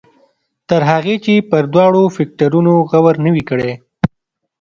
تر هغې چې پر دواړو فکټورنو غور نه وي کړی.